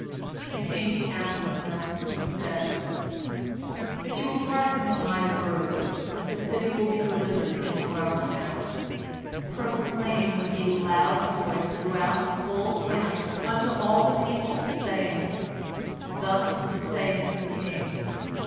The king answered them, and said: "If you will hearken to my words, the city will be delivered into our hands. Proclaim with a loud voice throughout the whole camp, unto all the people, saying: 'Thus saith the king!